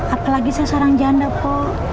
apalagi seseorang janda po